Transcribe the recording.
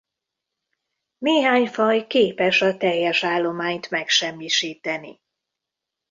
Néhány faj képes a teljes állományt megsemmisíteni.